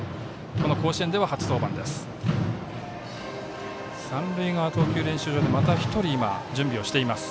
この甲子園では初登板です。